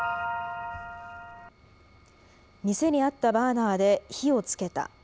店にあったバーナーで火をつけた。